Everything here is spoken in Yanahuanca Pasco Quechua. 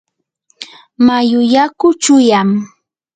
mayu yaku chuyam.